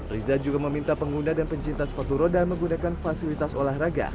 riza juga meminta pengguna dan pencinta sepatu roda menggunakan fasilitas olahraga